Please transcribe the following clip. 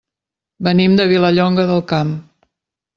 Venim de Vilallonga del Camp.